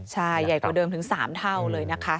ใช่ใหญ่กว่าเดิมถึง๓เท่าเลยนะคะ